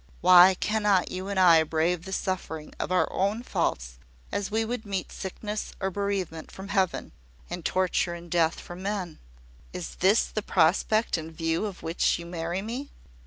Why cannot you and I brave the suffering of our own faults as we would meet sickness or bereavement from Heaven, and torture and death from men?" "Is this the prospect in view of which you marry me?"